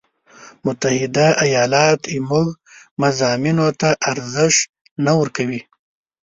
متحده ایالات زموږ مضامینو ته ارزش نه ورکوي.